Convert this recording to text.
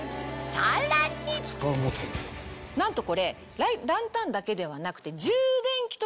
さらになんとこれランタンだけではなくて。